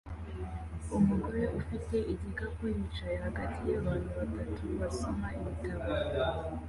Umugore ufite igikapu yicaye hagati yabantu batatu basoma ibitabo